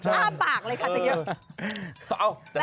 อ้าปากเลยค่ะจริง